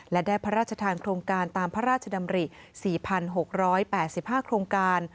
และได้พระราชทานโครงการตามพระราชดำริ๔๖๘๕โครงการ